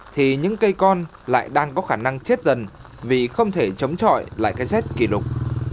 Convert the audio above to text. thì những cây con lại đang có khả năng chết dần vì không thể chống trọi lại cái rét kỷ lục